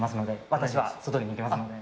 私は外に行きますので。